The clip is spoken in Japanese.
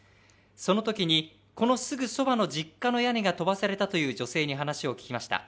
そのときにこのすぐそばの実家の屋根が飛ばされたという女性に話を聞きました。